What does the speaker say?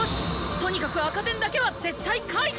とにかく赤点だけは絶対回避！